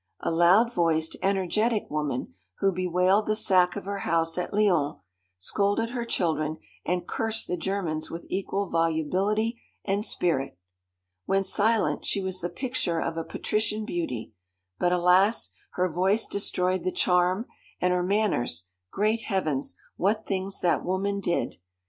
A loud voiced, energetic woman, who bewailed the sack of her house at Lyons, scolded her children, and cursed the Germans with equal volubility and spirit. When silent she was the picture of a patrician beauty; but, alas! her voice destroyed the charm, and her manners great heavens, what things that woman did!